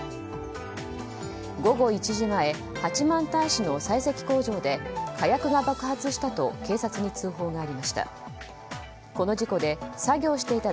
午後１時前八幡平市の砕石工場で火薬が爆発したと警察に通報がありました。